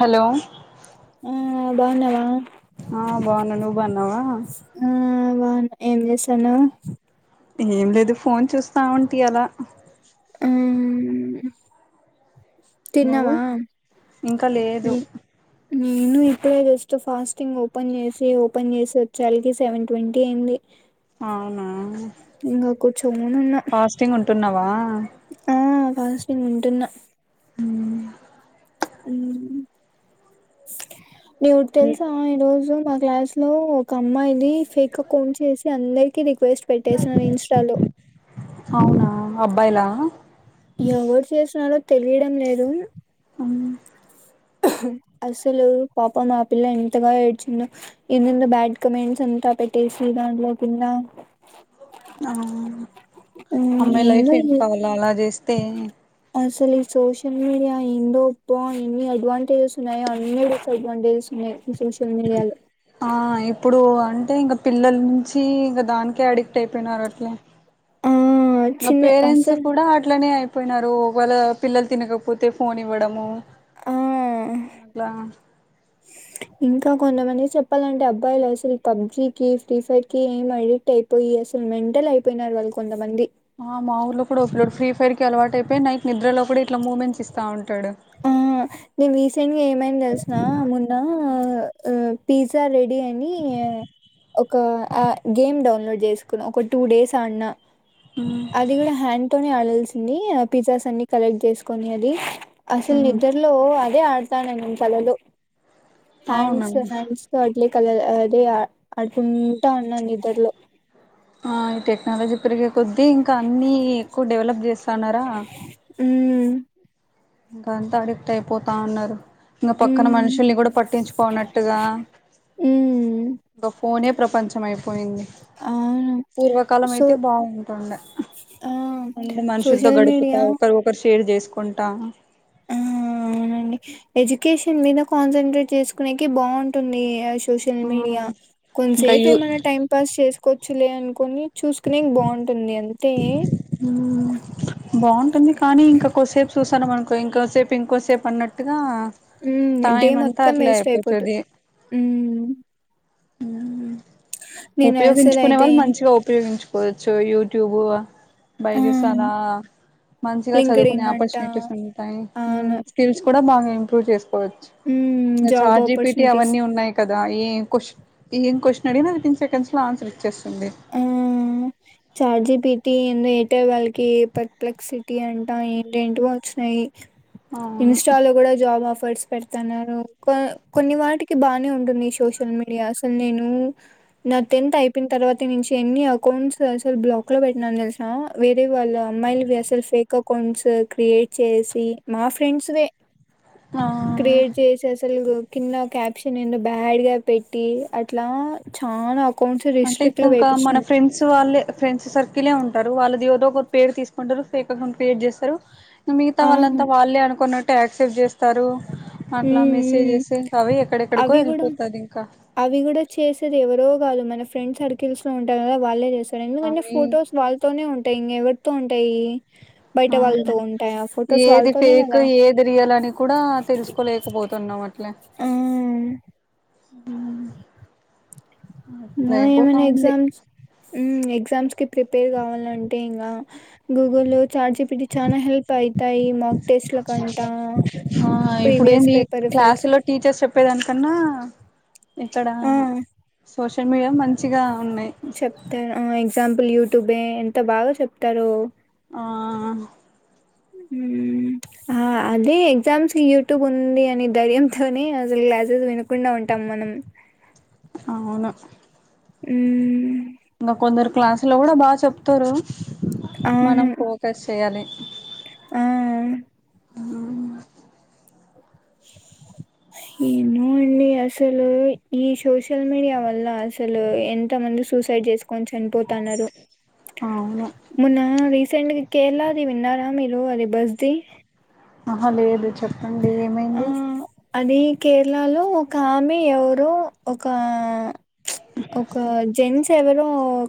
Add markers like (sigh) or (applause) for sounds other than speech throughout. Hello ఆ బాగునవా ఆ బావున్నా నువ్వు బావున్నావా ఆ బాగున్నా ఏం చేస్తున్నావ్ ఏం లేదు ఫోన్ చూస్తా ఉంటీ ఇఅలా ఊఉ నువ్వు తిన్నవా ఇంకా లేదు నేను ఇప్పుడే జస్ట్ ఫాస్టింగ్ ఓపెన్ చేసి ఓపెన్ చేసి వచ్చాళ్కి సెవెన్ ట్వంటీ అయింది అవునా ఇంకా కూర్చొని ఉన్నా ఫాస్టింగ్ ఉంటున్నావ వా్ ఆ బస్ ఉంటున్న అ నీకు తెలుసా ఈ రోజు మా క్లాస్ లో ఒక అమ్మాయిది ఫేక్ అకౌంట్ చేసి అందరికి రిక్వెస్ట్ పెట్టేసినారు ఇన్స్టాలో అవునా అబ్బాయిలా ఎవ్వరు చేస్తున్నారు తెలియడం లేదు ఉమ్ అసలు పాపమ్ ఆ పిల్ల ఎంతగా ఏడ్చిందో, ఎందేందో బ్యాడ్ కమెంట్స్ అంతా పెట్టేసి దాంట్లో కింద ఆ మ్ అమ్మాయి లైఫ్ ఏందో ఏం ఇది కావాల అలా చేస్ తే అసలు ఈ సోషల్ మీడియా ఇందో తో ఎన్ని అడ్వాంటేజెస్ ఉన్నాయో అన్ని డిస్ అడ్వాంటేజెస్ ఉన్నాయి ఈ సోషల్ మీడియాలో ఆ ఇప్పుడు ఆ అంటే ఇంకా పిల్లల నుంచి ఇంక దానికే అడిక్ట్ అయిపోయినారు అట్లే ఆ నా చిన్న పేరెంట్స్ అసలు కూడా అట్లనే అయిపో పోయినారు ఒకవేళ పిల్లలు తినకపోతే ఫోన్ ఇవ్వడము ఆ అట్లా ఇంకా కొంతమంది చెప్పాలంటే అబ్బాయిలు అసలు పబ్జి కి ఫ్రీ ఫైర్ కి ఏం అడిక్ట్ అయిపోయి అసలు మెంటల్ అయిపోయినారు వాళ్ళు కొంతమంది ఆ మా ఊర్లో కూడా ఒకడు ఫ్రీ ఫైర్ కి అలవాటు అయిపోయి నైట్ నిద్రలో కూడా ఇట్లా మూమెంట్స్ ఇస్తా ఉంట్ ఆ నేను రీసెంట్ గా ఏమైంది తెలిసునా మొన్నా ఆ ఆ ఈ సార్ రేట్ డిని ఆ ఒక ఆ గేమ్ డౌన్లోడ్ చేసుకున్న ఒక టూ డేస్ ఆడిన అది కూడా హ్యాండ్ తోనే ఆడిన్ తెలిసింది పిజ్జాస్ అన్ని కలెక్ట్ చేసుకొని అది అసలు ఉమ్ నిద్దర్ లో ఐ అదే ఆడతా నేను కలలో హ్యాండ్స్ అవునండి హ్యాండ్స్తో అట్లే కలల అది ఆడుకుంటా ఉన్నాను నిద్దర్లో ఆ ఈ టెక్నాలజీ పెరిగే కొద్దీ ఇంకా అన్నీ ఎక్కువ డెవలప్ చేస్తన్నారా ఉమ్మ్ ఇంకా అంతా అడెక్ట్ అయిపోతా ఉన్నారు. ఇంకా పక్కన ఉమ్ మనుషుల్ని కూడా పట్టించుకోనట్టుగా ఉమ్ ఇంకా ఫోనే ప్రపంచం అయిపోయింది. అవును పూర్వకాలం సో అయితే బాగుంటుండె ఆ అందురు మనుషులతో సోషల్ గడుపుతా మీడియా ఒకరి ఒకరు షేర్ చేసుకు కుంటా ఆ అవునండి ఎడ్యుకేషన్ మీద కాన్సన్ంట్రేట్ చేసుకునేకి బాగుంటుంది ఐష్ సోషల్ ఆ మీడియా ఇంకా కొంతసేపు యూ ఏమైన్నా టైం పాస్ చేసు కొచ్చులే అనుకని చూసుకునేకి బాగుంటుంది అం ఉమ్ బాగుంటుంది కానీ ఇంకా కొద్దిసేపు చూస్తాను మనకు ఇంకోసేపు ఇంకోసేపు అన్నట్టుగా ఉ డే టైం అంతా మొత్తం అట్లే వేస్ట్ అయిపోతు అయిపోతది హ్మ్మ్ ఉ అసలు ఉపయోగించుకునే అయితే వాళ్ళు మంచిగా ఉపయోగించు కొచ్చు యూట్యూబ్ ఆ బైజుస్ అలా మంచిగా లింక్డ్ చదువుకునే ఇన్ అంట ఆపర్చునిటీస్ ఉంటాయి అవును స్కిల్స్ కూడా బాగా ఇంక్లూడ్ చే ఉమ్ చ్చ జాబ్ చార్జిపిటి ఆపర్చునిటీస్ అవన్నీ ఉన్నాయి కదా ఏ కుష్ ఏన్ క్వశ్న్ అడిగిన విత్ ఇన్ సెకంస్లాన్స ఇ ఆ చార్జి పిటి అంటే వాళ్ళకి పర్ప్లెక్సిటీ అంటా ఏంటేంటి వచ్చినయి అవును ఇన్స్టా లో కూడా జాబ్ ఆఫర్స్ పెడత కొన్ని వాటికి బానే ఉంటుంది సోషల్ మీడియా అసలు నేను నా టెన్త్ అయిపోయిన తర్వాత అ నుంచి ఎన్ని అకౌంట్స్ అసలు బ్లాక్ లో పెట్టినాని తెలిసినా వేరే వాళ్ళ అమ్మాయిలువి అసలు ఫేక్ అకౌంట్స్ క్రియేట్ చేసి మా ఫ్రెండ్స్విే ఆ క్రియేట్ చేసే తెలుగు కింద క్యాప్షన్ ఎన్నో బ్యాడ్గా పెట్టి అట్లా చానా కోన్ అంటే రెస్ట్లెస్ ఇంకా మన ఫ్రెండ్స్ వాళ్ళే ఫ్రెండ్స్ సర్కిలే ఉంటారు వాళ్ళదివరో ఒకరు పేరు తీసుకుంటారు ఫేక్ అకౌంట్ క్రియేట్ చేస్తారు మిగత అవును వాళ్ంత వాళ్ళే అనుకుొన్నట్ ట్యాక్సేప్ చేస్తారు ఉ అట్లా మెసేజెస్ ఇంకా అవి ఎక్కడెక్కడికో అవి కూడా వెళ్ళిపోతది ఇంకా అవి కూడా చేసేది ఎవరో కాదు మన ఫ్రెండ్స్ సర్కిల్స్ లో ఉ వాళ్ళే చేస్తారు ఎందుకంటే అవి ఫొటోస్ వాళ్ళతోనే ఉంటాయింక ఎ త ఉంటాయి బయట ఆ వాళ్ళతో ఉంటాయి ఆ ఫొటోస్ ఏది వాళ్ళతోనే ఫేక్ కదా ఏది రియల్ అని కూడా తెలుసుకో లేకపోతున్నాం అట్లా ఆ హ అయిపో త ఉంది ఎగ్జామ్కీ ప్రిపేర్ కావాలంటే ఇంకా గూగుల్లో చార్జిపిటి చాలా హెల్ప్ అవుతాయి మాక్ టెస్ట్ల కంటా ఆ ఇప్పుడు ప్రీవియస్ ఏంది పేపర్ఫర్స్ క్లాసులో టీచర్స్ చెప్పేదానికన్నా ఇక్కడ సోషల్ మీడియా మంచిగా ఉన్నాయి చెప్తే ఆ ఎగ్జాం ల్ యూట్యూబే ఎంత బాగా చెప్తారో ఆ అదే ఎగ్జామ్స్ కి యూట్యూబ్ ఉంది అనే ధైర్యంతోనే అసలు క్లాసెస్ వినకుండా ఉంటాం మనం అవును హ్మ్ ఇంకా కొందరు క్లాసు లో కూడా బా చెప్తారు మనం అవును ఫోకస్ చేయాలి ఆ అవు ఏమో అండి అసలు ఈ సోషల్ మీడియా వల్ల అసలు ఎంత మంది సూసైడ్ చేసుకొని చనిపోతు నాన్నగారు అవును మొన్న రీ సెంట్ గి కేరళా ది విన్నారా మీరు అది బస్ ది ఆహా లేదు చెప్పండి ఆ ఏమైంది అది కేరళలో ఒక ఆమి ఎవరో ఒక ఒక జెస్స్ తెవరో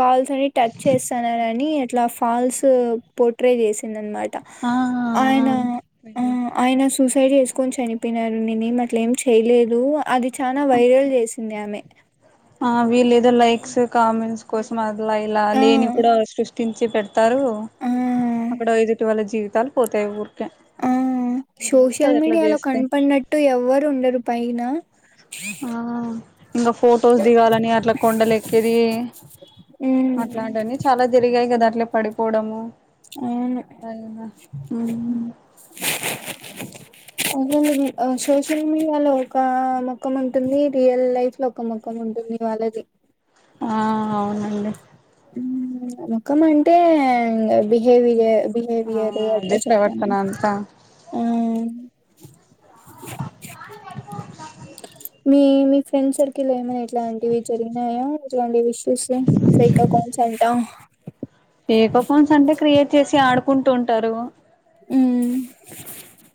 కాల్సిని టచ్ చేస్తానని అట్లా ఫాల్స్ పోట్రే చేసిందినమాట ఆ ఆయన ఆ ఆయన సూసై సై చేసుకొని చనిపోయినారు నేను ఏం అట్లేం చేయలేదు అది చానా ఆ వైరల్ చేసింది ఆమె ఆ వీళ్ళేదో లైక్స్ కామెంట్స్ కోసం అ ఇలా ఇలా అ ఆ లేేని కూడా సృష్టిన్ చిప్పట్ తారు ఆ అక్కడ ఎదుటి వాళ్ళ జీవి తాల్ పోతాయి ఊరు ఆ సోషల్ మీడియాలో చేస్తే కనపడినట్టు ఎవ్వరు ఉండరు పైన ఆ ఇంకా ఫొటోస్ దిగాలని అట్లా కొండల ఎక్కేది, ఉమ్ అట్లాంటిని చాలా జరిగాయి కదా అట్లే పడిపో పోవడము అవును అసలు ఈ సోషల్ మీడియాలో ఒక మొఖం ఉంటుంది రియల్ లైఫ్ లో ఒక మొఖం ఉంటుంది వాళ్ళది ఆ అవునండి ముఖం అంటే బిహేవియర్ ఆ బిహేవియర్ అదే అట్లా చెప్తన్న ప్రవర్తన అంతా ఆ మీ మీ ఫ్రెండ్స్ సర్కిల్ లొ ఏమైనా ఇట్లాంటివి జరిగినాయా ఇట్లాంటివి ఇష్ ఇష్యూ ఫెక్ అకౌంట్స్ అంట ఫేక్ అకౌంట్స్ అంటే క్రియేట్ చేసి ఆడుకుంటు ఉంటారు హు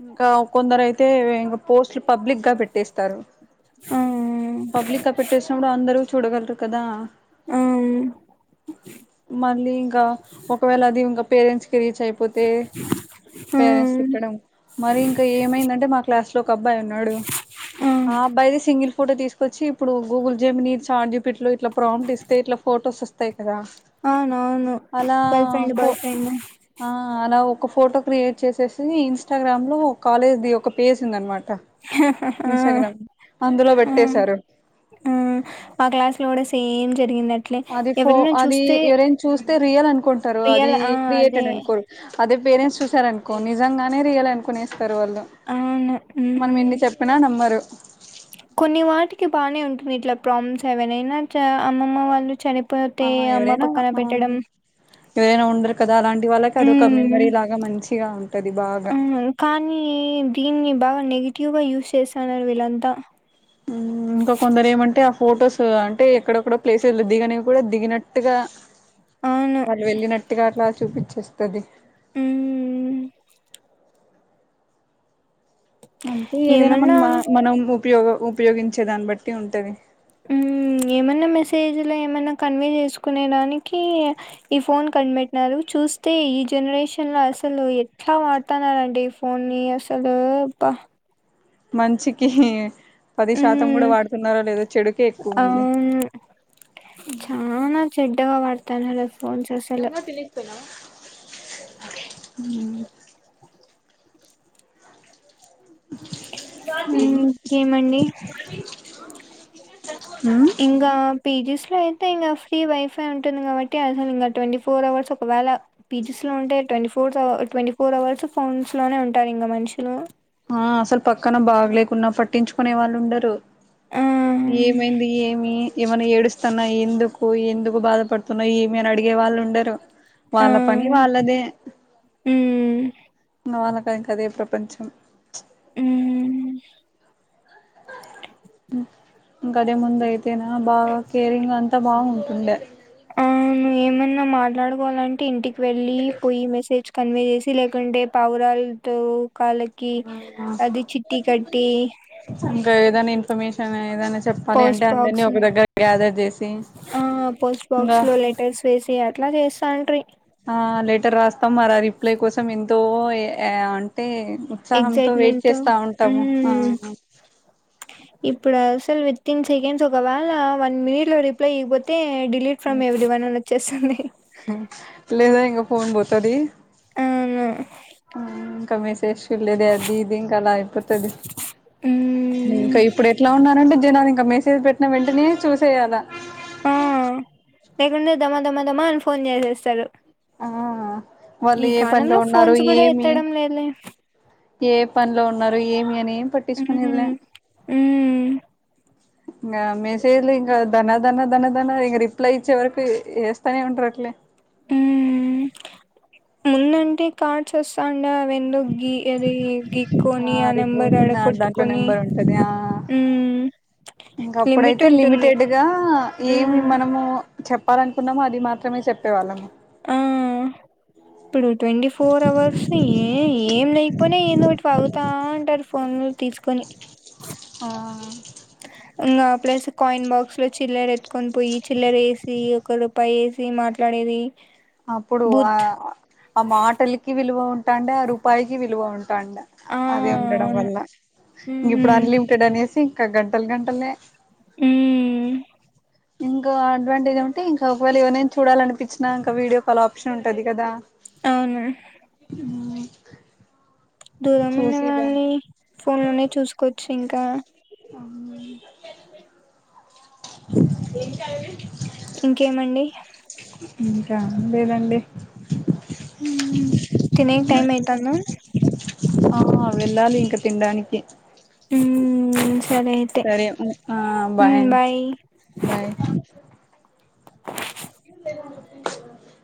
ఇంకా కొందరు అయితే ఇంగ పోస్ట్లు పబ్లిక్ గా పెట్టేస్తారు అ పబ్లిక్ గా పెట్టేసినప్పుడు అందరు చూడగల్ రు కదా ఆ మళ్ళీ ఇంకా ఒకవేళ అది ఇంకా పేరెంట్స్ కి రీచ్ అయిపోతే ఆ పేరెంట్స్ తిట్టడం మరి ఇంకా ఏమైందంటే మా క్లాస్ లో ఒక అబ్బాయి ఉన్నాడు ఆ అబ్బాయిది సింగిల్ ఫోటో తీసుకు వచ్చి ఇప్పుడు గూగుల్ జేమినీ చార్జిపిట్లు ఇట్ల ప్రంప్టిస్తే ఇట్లా ఫోటోస్ వస్ అవునవును గర్ల్ ఫ్రెండ్ ఫో బాయ్ ఫ్రెండ్ ఆ అలా ఒక ఫోటో క్రియేట్ చేసేసి ఇన్స్టాగ్రామ్ లో కాలేజ్ ది ఒక పేజ్ ఉంది అనమాట్ ట ఇన్స్టాగ్రామ్ అందులో పెట్ ఆ ఆ మా క్లాస్ లో గూడా సే సేమ్ జరిగింది అట్లే ఎవరైనా చూస్తే స్తే రియల్ అన్ నుకుంటారు అది రియల్ ఆ! క్రియేటే అదే. నని అనుకోరు అదే పేరెంట్స్ చూసారను కొ నిజంగానే రియల్ అను కొనే త్తారు వాళ్ళు అవును. మనం ఎన్ని హ్మ్. చెప్పినా నమ్మరు కొన్ని వాటికి బానే ఉంటుంది ఇట్లా ప్రామ్స్ ఏవనైనా చ అమ్మమ్మ వాళ్ళు చని పోతే ఆ అమ్మ పక్కన పెట్టడం ఏవరయినా ఉండర్ కదా అలాంటి వాళ్ళకి అదొక హ్మ్. మెమరీ లాగా మంచిగా ఉంటది బాగా అవును. క్యూబా యూస్ చేశినారు వీళ్లంతా. హ్మ్. ఇంకా కొందరు ఏమంటే ఆ ఫొటోస్ అంటే ఎక్కడొక్కడో ప్లేసులు, దిగనవి కూడా దిగినట్టుగా. అవును. వాళ్ళు వెళ్ళినట్టుగా అట్లా స్ చూపిచ్చేస్తది. ఊ. అంటే ఏదైనా ఏమన్నా మన్నా మనం మువ్ పయోగ్ ఉపయోగించే దాన్ని బట్టి ఉంటది. ఉమ్, ఏమన్నా మెసేజ్ ల ఏమన్నా, కన్వే జెసుకునే దానికి ఈ ఫోన్ కనిపెట్టినారు. చూస్తే ఈ జనరేషన్ గ అసలు ఎట్లా వాడ్ త్త నారండి ఫోన్ ని అసలు, అబ్బ మంచికి పది శాతం గుడ హ్మ్. వాడుతున్నారొ లేదో, చెడుకే ఎక్కువుంది. అవును. తనరస్ జంగా పిలిస్తున్నావా? ఉమ్ ఇంకేమండి? ఉమ్ ఇంగా పీ జి స్ ప్పుడయితే ఇంకా ఫ్రీ వైఫై ఉంటుంది కాబట్టి. అసలు ఇంకా ట్వంటీ ఫోర్ అవర్స్, ఒకవేళ పీజీస్ లో ఉంటే ట్వంటీ ఫ్ ఫోర్సవ ట్వంటీ ఫోర్ అవర్స్ ఫోన్స్ లోనే ఉంటారు ఇంకా మనుషులు. ఆ అసలు పక్కన బాగ లేకున్నా పట్టించుకునే వాళ్ళు ఉండరు. ఆ! ఏమైంది ఏమి? ఏమన్నా ఏడుస్తన్నా ఎందుకు, ఎందుకు బాధపడుతున్నావ్ ఏమీ అని అడిగే వాళ్ళు ఉండరు. ఆ! వాళ్ళ పని వాళ్ళదే, హ్మ్. ఇంగ వాళ్ళక్ దానికదే ప్రపంచం. ఉమ్ ఇంకా అదే ముందు అయితేనా, బాగా కేరింగ్ అంతా బాగుంటుండే. అవును, ఏమన్నా మాట్లాడుకోవాలంటే ఇంటికి వెళ్ళి, పోయి మెసేజ్ కన్వే జెస్ ది లేకుండే, పావురాల్తో కాళ్లకి, ఆ అది చిట్టి కట్టి దాని ఇన్ఫర్మేషన్ ఏదన్న పోస్ట్ బాక్స్, చేసి ఆ పోస్ట్ ఇంగా బాక్స్ లో లెటర్స్ వేసేయద్ అట్లా జేస్తాంట్రీ. ఆ లెటర్ రాస్తం, మర ఆ రిప్లై కోసం ఎంతో ఏ అంటే ఉత్సాహంతో వెయిట్ ఎగ్జైట్మెంట్ తో చేస్తా ఉంటాము ఆ మ్మ్ ఇప్పుడు అసలు విత్ ఇన్ సెకండ్స్ ఒకవేళ వన్ మినిట్ లో రిప్లై ఇవ్వోతే డిలీట్ ఫ్రమ్ ఎవ్రీ వన్ అని వచ్చేస్తుంది లేదా ఇంగ ఫోన్ బోతది అవును కమ్మ శేష చూడలేద అది ఇది ఇంకా అలా అయిపోతుది మ్మ్ ఇంకా ఇప్పుడు ఎట్లా ఉన్నారంటే జనానికి ఇంకా మెసేజ్ పెట్టిన వెంటనే చూసేయాలా ఆ లేకుండే దమా దమాదమా అని ఫోన్ చేసేస్తారు ఆ వాళ్ళు ఈ ఏ పనిలో కాలంలో ఉన్నారు ఫోన్స్ కూడా ఏమి ఎత్తడం లేదులే ఏ పనిలో ఉన్నారు ఏమి అని ఏం ఉ పట్టించుకునేదిలే అ ఇంకా మెసేజ్లు ఇంకా ధనాధనా దధనదనా ఇంక రిప్లై ఇచ్చే వరకు వేస్తానే ఉంటారు అట్లే ఉ ముందండి కార్డ్స్ వస్తా ఇంగ వెందు గీ అది గీక్కొని ఆ రిపో నెంబర్ అడ కింద దాంట్లో కొట్టుకొని, నెంబర్ ఉంటది ఆ ఉమ్ ఇంక లిమిట్ అప్పుడైతే ఉంటుంది. లిమిటెడ్ ఉమ్ చెప్పాలనుకున్నాము అది మాత్రమే చెప్పేవాళ్ళము ఆ ఇప్పుడు ట్వంటీ ఫోర్ అవర్స్ ఏ ఏం లేకపోనా ఏదిో ఒకటి వాగుతా అంటారు ఫోన్ లో తీసుకొని ఆ ఇంకా ప్లస్ కాయిన్ బాక్స్ లో చిల్లర ఎత్తుకొని పోయి చిల్లర వేసి ఒక రూపాయి వేసి మాట్లాడేది అప్పుడు ఆ బూత్ ఆ మాటలకి విలువ ఉంటు టాండ రూపాయకి విలువ ఉడి ఆ అది ఉండడం అవును వల్ల ఇంక ఉమ్ ఇప్పుడు అన్లిమిటెడ్ అనేసి గంటలు గంటలే హూ ఇంకా అడ్వాంటేజ్ ఏంటే ఇంకా ఒకవేళ ఎవరైనా చూడాలి అనిపించిన ఇంకా వీడియో కాల్ ఆప్షన్ ఉంటది కదా అవును దూరం ఉన్న చూసి బా వాళ్ళని ఫోన్ లోనే చూసుకోవచ్చు ఇంకా అ ఇంకేమండి కా లేదండి తినేకి టైం అయితాందా ఆ వెళ్ళాలి ఇంకా తినడానికి హ సరే బాయ్ బాయ్ (inaudible) ఇ